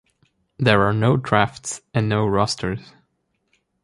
There are no drafts and no rosters.